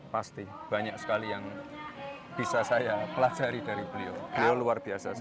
pasti banyak sekali yang bisa saya pelajari dari beliau beliau luar biasa sekali